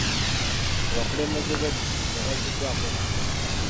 Abakulembeze b'enzikiriza bazziddwako omusango.